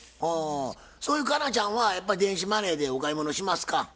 あそういう佳奈ちゃんはやっぱ電子マネーでお買い物しますか？